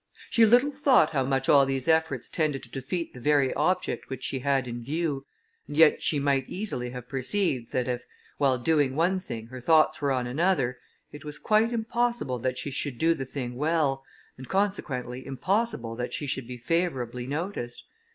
She little thought how much all these efforts tended to defeat the very object which she had in view, and yet she might easily have perceived, that if, while doing one thing, her thoughts were on another, it was quite impossible that she should do the thing well, and consequently impossible that she should be favourably noticed.